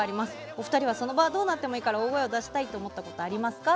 お二人はその場はどうなってもいいから大声を出したいと思ったことはありますか？